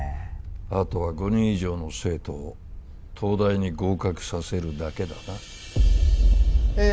あとは５人以上の生徒を東大に合格させるだけだなええ